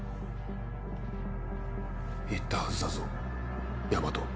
言ったはずだぞ大和。